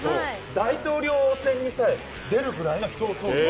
大統領選に出るくらいの人よ。